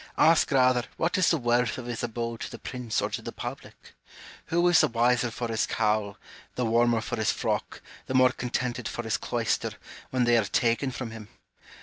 Ask rather, what is the worth of his abode to the prince or to the public ? Who is the wiser for his cowl, the warmer for his frock, the more contented 234 f^^A GIN A R Y CONVERSA TIONS. for his cloister, when they are taken from him'?